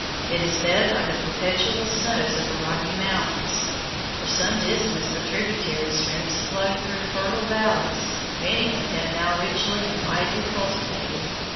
It is fed by the perpetual snows of the Rocky Mountains. For some distance the tributary streams flow through fertile valleys, many of them now richly and widely cultivated.